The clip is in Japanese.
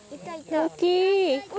大きい！